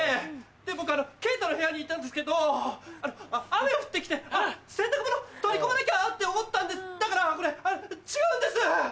で僕ケイタの部屋にいたんですけど雨が降って来てあっ洗濯物取り込まなきゃって思ったんですだからこれ違うんです！